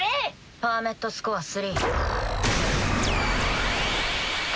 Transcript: パーメットスコア３。